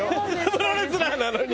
プロレスラーなのに。